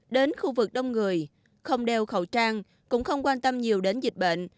đến khu vực đông người không đeo khẩu trang cũng không quan tâm nhiều đến dịch bệnh